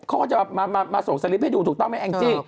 เขาก็จะมาส่งสลิปให้ดูถูกต้องไหมแองจี้